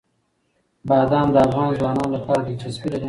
بادام د افغان ځوانانو لپاره دلچسپي لري.